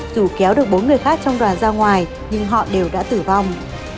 dù kéo được bốn người khác trong đoàn ra ngoài nhưng họ đều đã tử vong